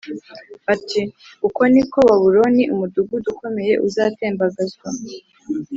ati “Uko ni ko Babuloni umudugudu ukomeye uzatembagazwa,